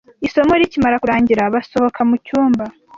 Isomo rikimara kurangira, basohoka mu cyumba.